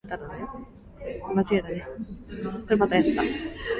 可以上甜品喇